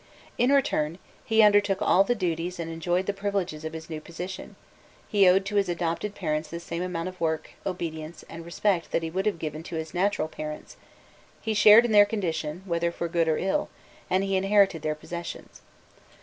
In return, he undertook all the duties and enjoyed the privileges of his new position; he owed to his adopted parents the same amount of work, obedience, and respect that he would have given to his natural parents; he shared in their condition, whether for good or ill, and he inherited their possessions.